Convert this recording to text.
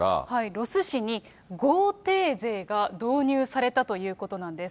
ロス市に豪邸税が導入されたということなんです。